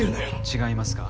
違いますか？